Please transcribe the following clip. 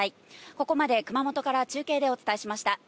ここまで熊本から中継でお伝えしました。